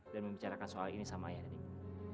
dan membicarakan soal ini sama ayah dan ibu